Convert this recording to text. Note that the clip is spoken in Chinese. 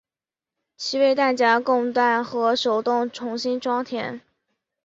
其为弹匣供弹和手动重新装填。